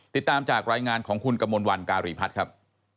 ติดตามจากรายงานของคุณกมลวันการีพัฒน์ครับ